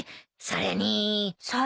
それに？